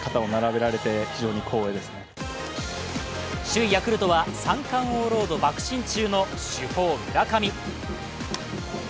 首位ヤクルトは三冠王ロードばく進中の主砲・村上。